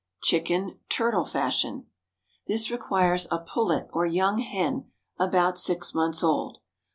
Chicken, Turtle Fashion. This requires a pullet or young hen about six months old.